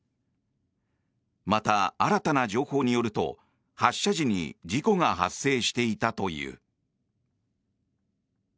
また新たな情報によると発射時に事故が発生していたという。